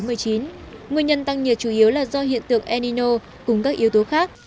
nguyên nhân tăng nhiệt chủ yếu là do hiện tượng enino cùng các yếu tố khác